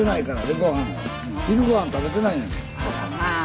昼ごはん食べてないねん。